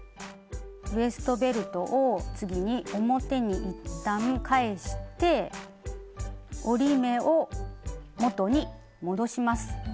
ウエストベルトを次に表に一旦返して折り目を元に戻します。